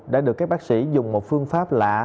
đã được các bác sĩ dùng một phương pháp lạ